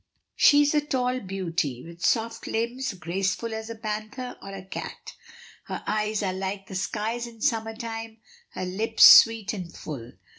She is a tall beauty, with soft limbs, graceful as a panther, or a cat. Her eyes are like the skies in summer time, her lips sweet and full.